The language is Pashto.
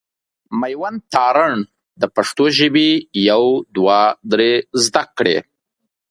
مېوند تارڼ د پښتو ژبي يو دوه درې زده کړي.